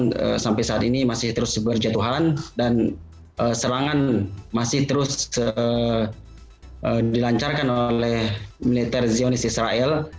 yang sampai saat ini masih terus berjatuhan dan serangan masih terus dilancarkan oleh militer zionis israel